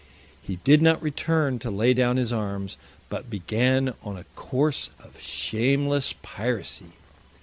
He did not return to lay down his arms, but began on a course of shameless piracy.